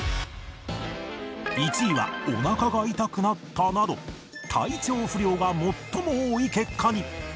１位はおなかが痛くなったなど体調不良が最も多い結果に